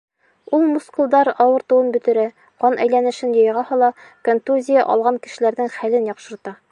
Ул мускулдар ауыртыуын бөтөрә, ҡан әйләнешен яйға һала, контузия алған кешеләрҙең хәлен яҡшырта.